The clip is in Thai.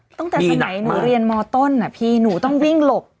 ตั้งแต่สมัยหนูเรียนมต้นพี่หนูต้องวิ่งหลบ